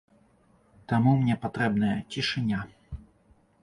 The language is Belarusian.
Таму мне патрэбная цішыня.